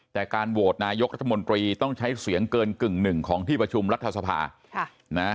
แต่การโหวตนายกรัฐมนตรีต้องใช้เสียงเกินกึ่งหนึ่งของที่ประชุมรัฐสภานะ